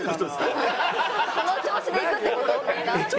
この調子でいくって事？